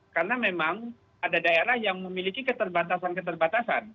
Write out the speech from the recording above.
karena memang ada daerah yang memiliki keterbatasan keterbatasan